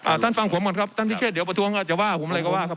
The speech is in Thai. ท่านฟังผมก่อนครับท่านพิเชษเดี๋ยวประท้วงอาจจะว่าผมอะไรก็ว่าครับ